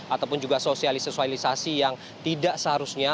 atau juga sosialisasi yang tidak seharusnya